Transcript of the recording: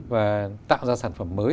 và tạo ra sản phẩm mới